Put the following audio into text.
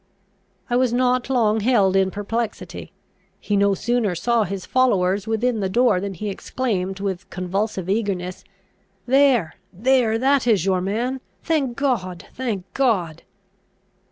I was not long held in perplexity. He no sooner saw his followers within the door, than he exclaimed, with convulsive eagerness, "There, there, that is your man! thank God! thank God!"